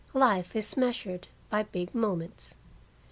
Life is measured by big moments.